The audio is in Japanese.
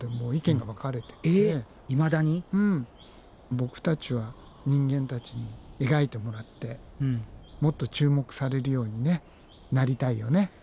ボクたちは人間たちに描いてもらってもっと注目されるようになりたいよね。